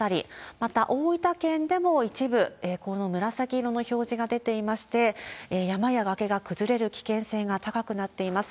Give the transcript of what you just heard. また、大分県でも一部、この紫色の表示が出ていまして、山や崖が崩れる危険性が高くなっています。